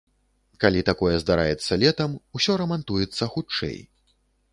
Калі такое здараецца летам, усё рамантуецца хутчэй.